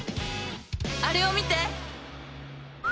あれを見て！